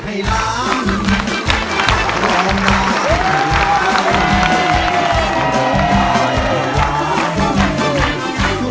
สวัสดีครับ